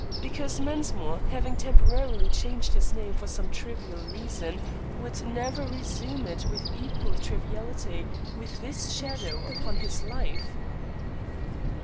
Because Mensmore, having temporarily changed his name for some trivial reason, would never resume it with equal triviality with this shadow upon his life."